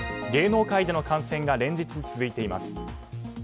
芸能界での感染が連日、続いています。